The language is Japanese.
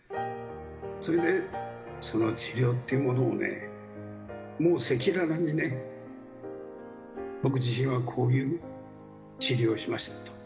それでその治療っていうものをね、赤裸々に、僕自身はこういう治療をしましたと。